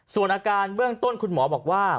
ส่วนอาการเบื้องต้นคุณหมอบอกว่า